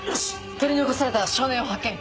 取り残された少年を発見！